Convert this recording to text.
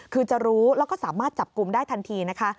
คือจะรู้แล้วก็สามารถจับกลุ่มได้ทันทีนะคะ